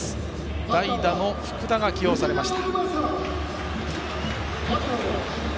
代打の福田が起用されました。